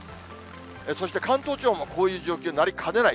そして関東地方もこういう状況になりかねない。